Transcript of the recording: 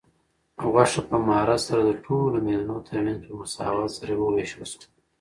غوښه په مهارت سره د ټولو مېلمنو تر منځ په مساوات سره وویشل شوه.